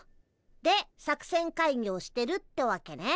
で作戦会議をしてるってわけね。